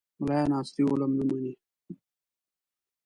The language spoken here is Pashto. ملایان عصري علوم نه مني